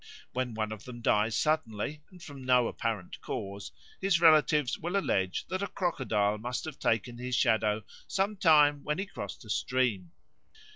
When one of them dies suddenly and from no apparent cause, his relatives will allege that a crocodile must have taken his shadow some time when he crossed a stream.